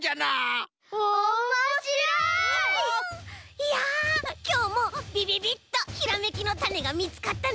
いやきょうもビビビッとひらめきのタネがみつかったね。